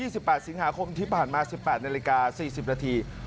๑๘สิงหาคมที่ผ่านมา๑๘นาฬิกา๔๐นาที